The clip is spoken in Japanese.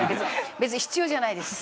別に必要じゃないです。